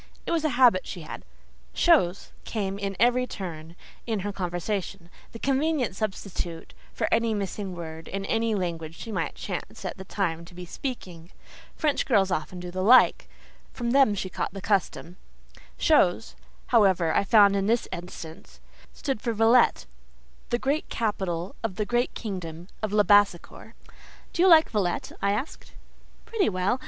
It was a habit she had: "chose" came in at every turn in her conversation—the convenient substitute for any missing word in any language she might chance at the time to be speaking. French girls often do the like; from them she had caught the custom. "Chose," however, I found in this instance, stood for Villette—the great capital of the great kingdom of Labassecour. "Do you like Villette?" I asked. "Pretty well.